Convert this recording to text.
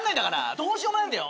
どうしようもないんだよ。